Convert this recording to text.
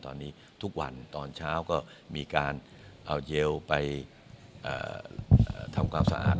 ตอนนี้ทุกวันตอนเช้าก็มีการเอาเจลไปทำความสะอาด